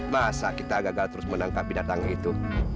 masa kita gagal terus menangkap binatang itu